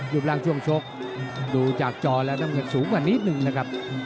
รูปร่างช่วงชกดูจากจอแล้วน้ำเงินสูงกว่านิดนึงนะครับ